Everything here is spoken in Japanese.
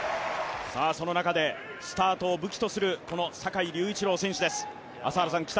その中でスタートを武器とする坂井隆一郎選手です。